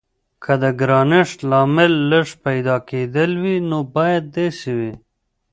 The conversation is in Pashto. که د ګرانښت لامل لږ پیدا کیدل وي نو باید داسې وي.